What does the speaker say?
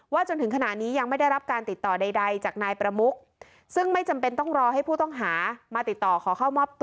จนถึงขณะนี้ยังไม่ได้รับการติดต่อใดจากนายประมุกซึ่งไม่จำเป็นต้องรอให้ผู้ต้องหามาติดต่อขอเข้ามอบตัว